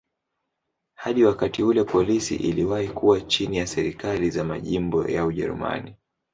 Hadi wakati ule polisi iliwahi kuwa chini ya serikali za majimbo ya Ujerumani.